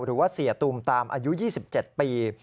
หรือว่าเสียตูมตามอายุ๒๗ปี